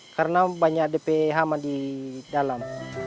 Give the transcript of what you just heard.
karena banyak dp hama di dalam